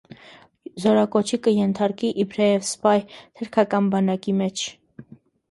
Զօրակոչի կ՝ ենթարկուի իբրեւեւ սպայ, թրքական բանակի մէջ։